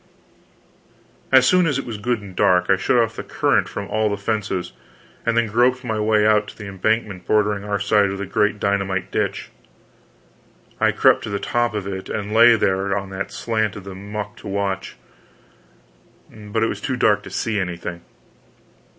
As soon as it was good and dark, I shut off the current from all the fences, and then groped my way out to the embankment bordering our side of the great dynamite ditch. I crept to the top of it and lay there on the slant of the muck to watch. But it was too dark to see anything.